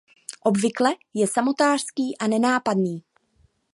Obvykle je samotářský a nenápadný.